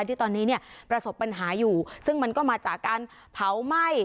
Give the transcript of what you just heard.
ที่ตอนนี้เนี่ยประสบปัญหาอยู่ซึ่งมันก็มาจากการเผาไหม้